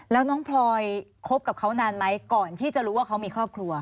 แล้วน้องพลอยคบกับเขานานไหมก่อนที่จะรู้ว่าเขามีครอบครัว